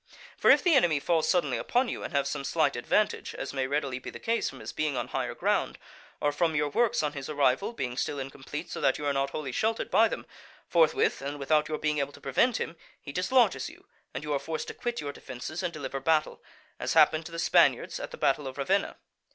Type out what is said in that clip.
For if the enemy fall suddenly upon you, and have some slight advantage (as may readily be the case from his being on higher ground, or from your works on his arrival being still incomplete so that you are not wholly sheltered by them), forthwith, and without your being able to prevent him, he dislodges you, and you are forced to quit your defences and deliver battle: as happened to the Spaniards at the battle of Ravenna.